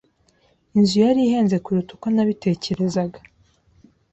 Inzu yari ihenze kuruta uko nabitekerezaga.